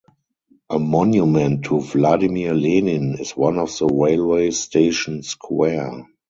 A monument to Vladimir Lenin is on the Railway Station Square.